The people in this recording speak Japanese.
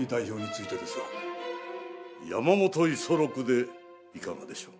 山本五十六でいかがでしょう？